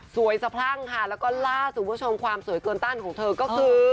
สะพรั่งค่ะแล้วก็ล่าสุดคุณผู้ชมความสวยเกินต้านของเธอก็คือ